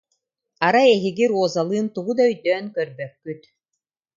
Арай эһиги Розалыын тугу да өйдөөн көрбөккүт